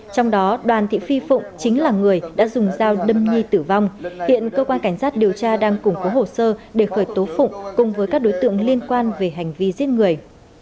trong đó đoàn thị phi phụng chính là người đã dùng dao đâm nhi tử vong hiện cơ quan cảnh sát điều tra đang củng cố hồ sơ để khởi tố phụng cùng với các đối tượng liên quan về hành vi giết người